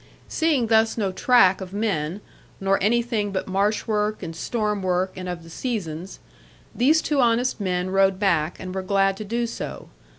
Seeing thus no track of men, nor anything but marsh work, and stormwork, and of the seasons, these two honest men rode back, and were glad to do so.